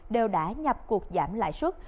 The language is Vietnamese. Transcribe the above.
đều đã nhập cuộc giảm lại suất